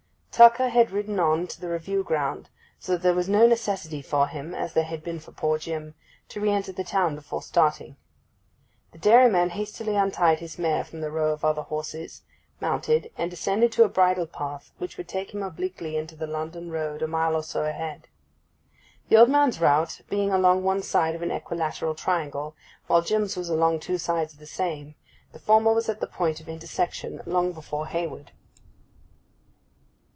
Tucker had ridden on to the Review ground, so that there was no necessity for him, as there had been for poor Jim, to re enter the town before starting. The dairyman hastily untied his mare from the row of other horses, mounted, and descended to a bridle path which would take him obliquely into the London road a mile or so ahead. The old man's route being along one side of an equilateral triangle, while Jim's was along two sides of the same, the former was at the point of intersection long before Hayward.